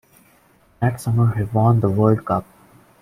That Summer he won the World Cup.